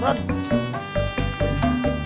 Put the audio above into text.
mana lagi dia